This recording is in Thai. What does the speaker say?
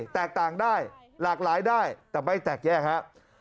แตกต่างได้หลากหลายได้แต่ไม่แตกแยกครับ